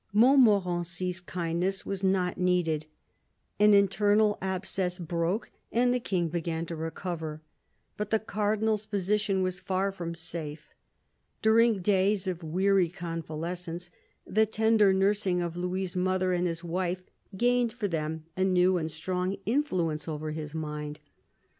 Montmorency's kindness was not needed. An internal abscess broke, and the King began to recover. But the Cardinal's position was far from safe. During days of weary convalescence, the tender nursing of Louis' mother and his wife gained for them a new and strong influence over his mind.